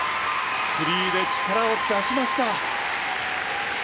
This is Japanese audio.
フリーで力を出しました。